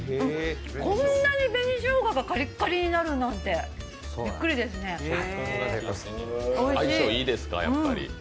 こんなに紅しょうががカリッカリになるなんてびっくりですね、おいしい！